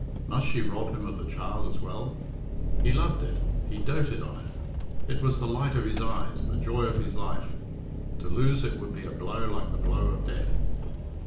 Must she rob him of the child as well? He loved it; he doted on it. It was the light of his eyes, the joy of his life. To lose it would be a blow like the blow of death.